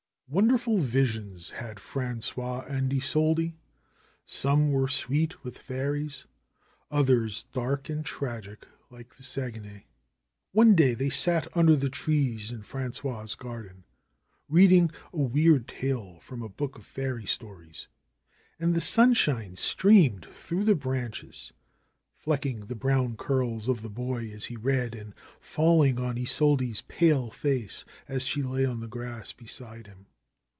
Wonderful visions had Frangois and Isolde! Some were sweet with fairies, others dark and tragic like the Saguenay. One day they sat under the trees in Frangois' garden, reading a weird tale from a book of fairy stories. And the sunshine streamed through the branches, flecking the brown curls of the boy as he read and falling on Isolde's pale face as she lay on the grass beside him.